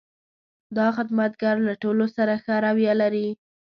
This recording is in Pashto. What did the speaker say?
دا خدمتګر له ټولو سره ښه رویه لري.